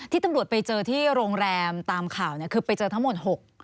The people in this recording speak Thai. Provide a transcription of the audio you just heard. ตำรวจไปเจอที่โรงแรมตามข่าวคือไปเจอทั้งหมด๖